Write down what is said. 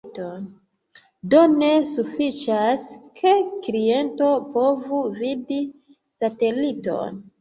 Do ne sufiĉas, ke kliento povu vidi sateliton.